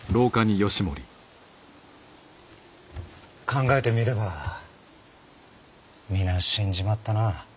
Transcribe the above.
考えてみれば皆死んじまったな。